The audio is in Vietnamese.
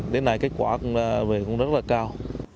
đến nay kết quả về cũng rất là cao